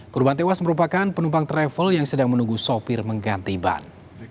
korban tewas merupakan penumpang travel yang sedang menunggu sopir mengganti ban